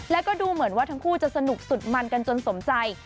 แล้วก็ดูเหมือนว่าทั้งคู่จะสนุกสุดมันกันจนสมใจ